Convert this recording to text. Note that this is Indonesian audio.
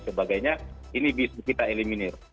sebagainya ini bisa kita eliminir